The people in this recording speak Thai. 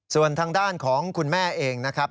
ส่วนทางด้านของคุณแม่เองนะครับ